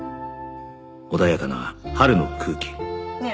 穏やかな春の空気ねえ